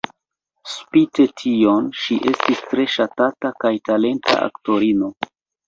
Spite tion, ŝi estis tre ŝatata kaj talenta aktorino.